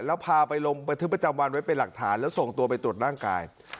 แล้วพาไปลงบันทึกประจำวันไว้เป็นหลักฐานแล้วส่งตัวไปตรวจร่างกาย